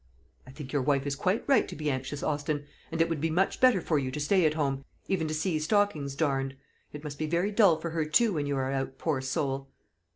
"I think your wife is quite right to be anxious, Austin; and it would be much better for you to stay at home, even to see stockings darned. It must be very dull for her too when you are out, poor soul."